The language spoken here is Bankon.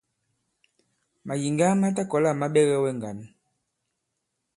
Màyìŋga ma ta kɔ̀la ma ɓɛgɛ wɛ ŋgǎn.